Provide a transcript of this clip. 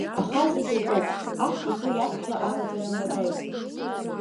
Аха зегь акоуп аҳ игәы иақәшәо аҟаҵара уадаҩын.